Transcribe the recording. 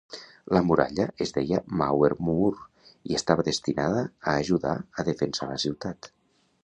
La muralla es deia Mauer-muur i estava destinada a ajudar a defensar la ciutat.